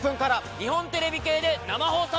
日本テレビ系で生放送！